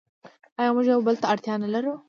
آیا موږ یو بل ته اړتیا نلرو؟